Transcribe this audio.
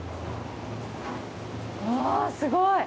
わすごい！